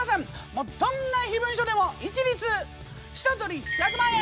もうどんな秘文書でも一律下取り１００万円！